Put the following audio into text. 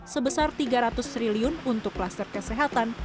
sebesar rp tiga ratus triliun untuk kluster kesehatan